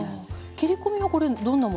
切り込みはこれどんなもので入れる？